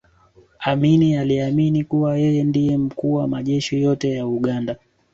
amin aliamini kuwa yeye ndiye mkuu wa majeshi yote ya uganda